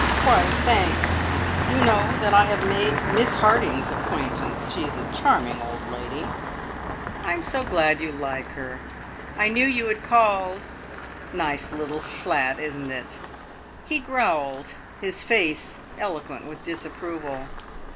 "Quite, thanks. You know that I have made Miss Harding's acquaintance. She is a charming old lady." "I'm so glad you like her. I knew you had called. Nice little flat, isn't it?" He growled, his face eloquent with disapproval.